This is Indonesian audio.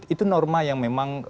itu norma yang memang